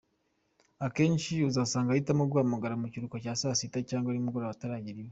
Akenshi uzasanga ahitamo kuguhamagara mu kiruhuko cya saa sita, cyangwa nimugoroba ataragera iwe.